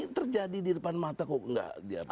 ini terjadi di depan mata kok nggak diapain